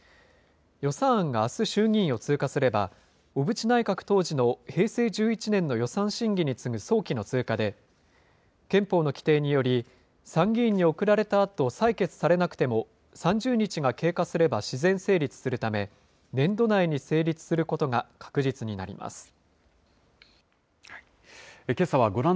予算案があす衆議院を通過すれば、小渕内閣当時の平成１１年の予算審議に次ぐ早期の通過で、憲法の規定により、参議院に送られたあと採決されなくても、３０日が経過すれば自然成立するため、年度内に成立することが確実になります。